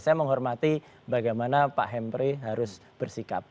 saya menghormati bagaimana pak hemprey harus bersikap